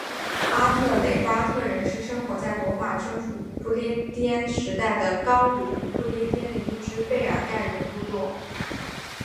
阿特雷巴特人是生活在罗马征服不列颠时代的高卢与不列颠的一只贝尔盖人部落。